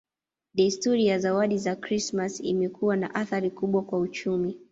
Desturi ya zawadi za Krismasi imekuwa na athari kubwa kwa uchumi.